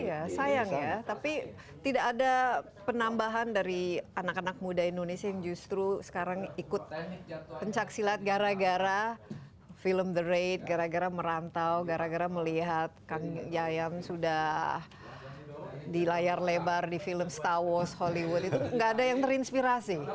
iya sayang ya tapi tidak ada penambahan dari anak anak muda indonesia yang justru sekarang ikut pencak silat gara gara film the raid gara gara merantau gara gara melihat kang jayam sudah di layar lebar di film star wars hollywood itu nggak ada yang terinspirasi